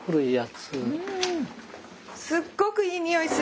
すっごくいい匂いする。